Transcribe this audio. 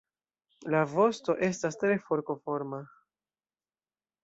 La vosto estas tre forkoforma.